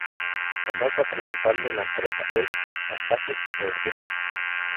La marca principal de la empresa es "Asahi Super Dry".